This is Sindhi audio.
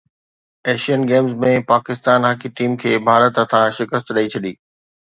Asian Games ۾ Pakistan hockey team کي ڀارت هٿان شڪست ڏئي ڇڏي